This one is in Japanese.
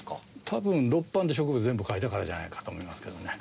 多分六版で植物全部描いたからじゃないかと思いますけどね。